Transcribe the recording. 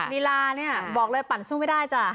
ลีลาเนี่ยบอกเลยปั่นสู้ไม่ได้จ้ะ